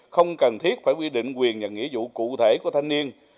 không cần thiết phải quy định quyền và nghĩa vụ cụ thể của thanh niên